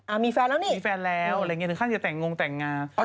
มีแฟนแล้วนี่มีแฟนแล้วอะไรอย่างนี้ถึงขั้นจะแต่งงแต่งงาน